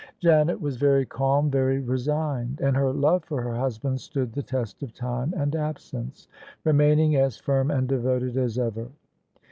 Janet was very calm, very resigned ; and her love for her husband stood the test of time and absence, remaining as firm and devoted as ever.